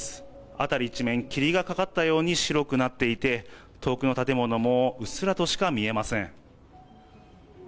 辺り一面、霧がかかったように白くなっていて遠くの建物もうっすらとしか見えません。